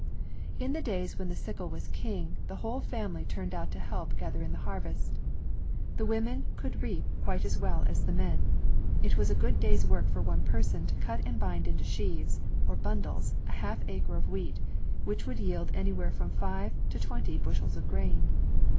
In the days when the sickle was king, the whole family turned out to help gather in the harvest. The women HAKVEETIMC WITH THE SICKLE IN COLONUL could reap quite as well as the men. It was a good day's work for one person to cut and bind into sheaves or bundles a half acre of wheat, which would yield anywhere from five to twenty bushels of grain.